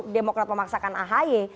demokrat memaksakan ahi